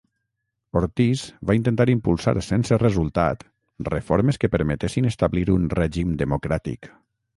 Ortiz va intentar impulsar sense resultat reformes que permetessin establir un règim democràtic.